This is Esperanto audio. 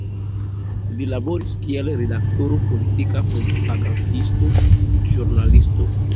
Li laboris kiel redaktoro, politika propagandisto, ĵurnalisto.